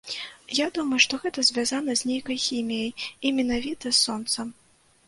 Я думаю, што гэта звязана з нейкай хіміяй і менавіта з сонцам.